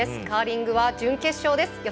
カーリングは準決勝です。